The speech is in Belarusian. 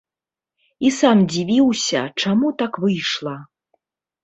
І сам дзівіўся, чаму так выйшла.